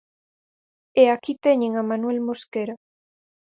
E aquí teñen a Manuel Mosquera.